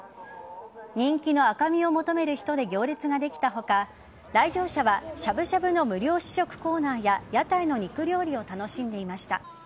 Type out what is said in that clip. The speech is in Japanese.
人気の赤身を求める人で行列ができた他来場者は、しゃぶしゃぶの無料試食コーナーや屋台の肉料理を楽しんでいました。